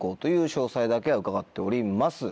詳細だけは伺っております。